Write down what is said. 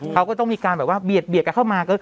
เขาก็ต้องมีการแบบว่าเบียดกันเข้ามา